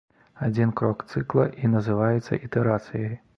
Адзін крок цыкла і называецца ітэрацыяй.